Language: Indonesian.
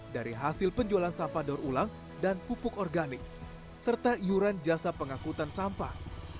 dari hasil penjualan sampah daur ulang dan pupuk organik serta iuran jasa pengangkutan sampah